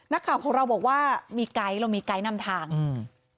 นักข่าวของเราบอกว่ามีไกด์เรามีไกด์นำทางอืม